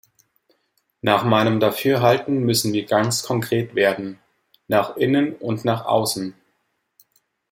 Nach meinem Dafürhalten müssen wir ganz konkret werden. Nach innen und nach außen.